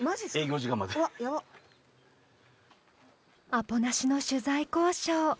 アポなしの取材交渉